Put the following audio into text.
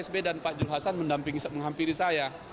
sby dan pak jokowi mendampingi menghampiri saya